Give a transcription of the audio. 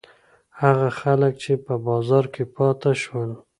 هغه خلک چې په بازار کې پاتې شول.